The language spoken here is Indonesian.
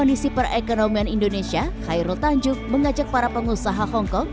di indonesia khairul tanjuk mengajak para pengusaha hongkong